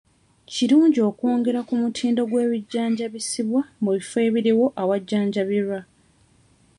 Kirungi okwongera ku mutindo gw'ebijjanjabisa mu bifo ebiriwo awajjanjabirwa.